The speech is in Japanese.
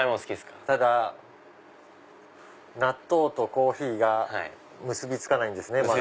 ただ納豆とコーヒーが結び付かないんですねまだ。